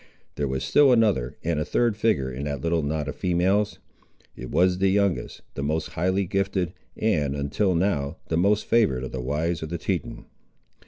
There was still another and a third figure in that little knot of females. It was the youngest, the most highly gifted, and, until now, the most favoured of the wives of the Teton.